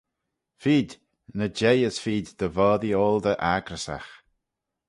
Feed, ny jeih as feed dy voddee oaldey accrysagh.